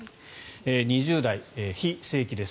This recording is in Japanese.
２０代、非正規です。